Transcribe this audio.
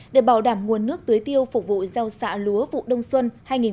để bảo đảm nguồn nước tưới tiêu phục vụ giao xạ lúa vụ đông xuân hai nghìn hai mươi hai nghìn hai mươi một